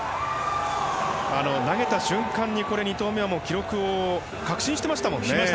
投げた瞬間に、２投目は記録を確信していましたものね。